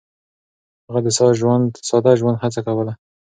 هغه د ساده ژوند هڅه کوله.